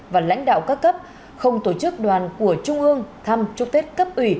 và lãnh đạo các cấp không tổ chức đoàn của trung ương thăm trúc thết cấp ủy